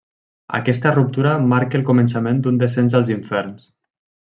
Aquesta ruptura marca el començament d'un descens als inferns.